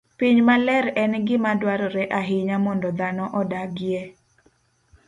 Piny maler en gima dwarore ahinya mondo dhano odagie.